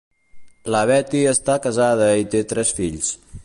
La Beattie està casada i té tres fills.